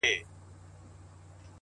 • چي یې ستا آواز تر غوږ وي رسېدلی,